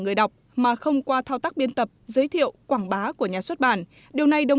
người đọc mà không qua thao tác biên tập giới thiệu quảng bá của nhà xuất bản điều này đồng